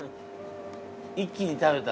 一気に食べた。